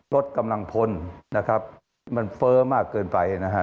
ลดกำลังพลมันเฟ้อมากเกินไป